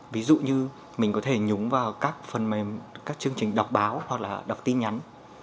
ví dụ như mình có thể nhúng vào các phần mềm các chương trình đọc báo hoặc là đọc tin nhắn